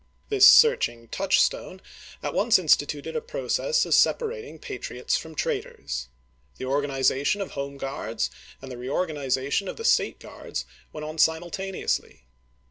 This searching touchstone at once instituted a process of separating patriots from traitors. The organi zation of Home Guards and the reorganization of the State Guards went on simultaneously.